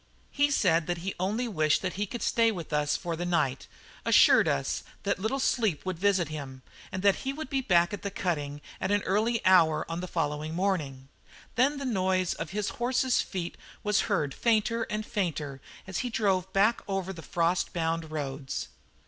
He said that he only wished that he could stay with us for the night, assured us that little sleep would visit him, and that he would be back at the cutting at an early hour on the following morning; then the noise of his horse's feet was heard fainter and fainter as he drove back over the frost bound roads.